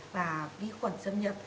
và vi khuẩn xâm nhập